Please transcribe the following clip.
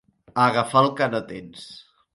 Agafar el que no tens.